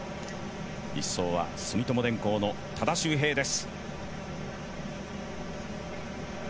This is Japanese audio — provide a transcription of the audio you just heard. １走は住友電工の多田修平です。